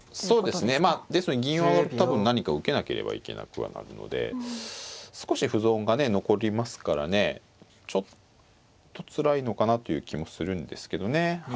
そうですねまあですので銀を上がると多分何か受けなければいけなくはなるので少し歩損がね残りますからねちょっとつらいのかなという気もするんですけどね。